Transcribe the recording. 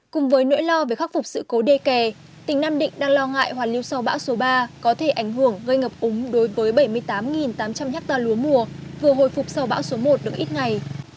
cùng với nỗi lo về khắc phục sự cố đê kè tỉnh nam định đang lo ngại hoàn lưu sau bão số ba có thể ảnh hưởng gây ngập úng đối với bảy mươi tám tám trăm linh ha lúa mùa vừa hồi phục sau bão số một được ít ngày